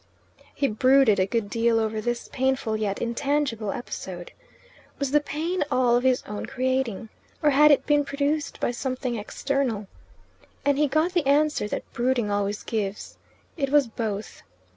He brooded a good deal over this painful yet intangible episode. Was the pain all of his own creating? or had it been produced by something external? And he got the answer that brooding always gives it was both.